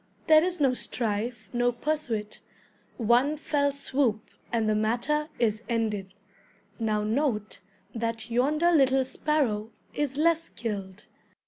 There is no strife, no pursuit, one fell swoop, and the matter is ended. Now note that yonder little sparrow is less skilled.